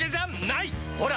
ほら！